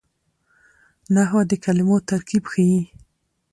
نحوه د کلمو ترتیب ښيي.